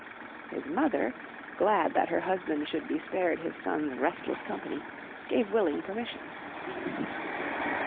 His mother, glad that her husband should be spared his son's restless company, gave willing permission.